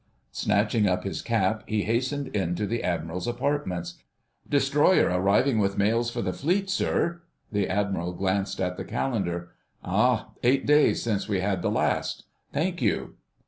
Snatching up his cap, he hastened in to the Admiral's apartments. "Destroyer arriving with mails for the Fleet, sir." The Admiral glanced at the calendar. "Ah! Eight days since we had the last. Thank you."